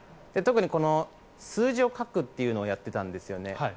特に数字を書くというのをやってたんですよね。